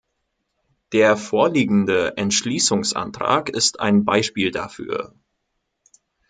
Der vorliegende Entschließungsantrag ist ein Beispiel dafür.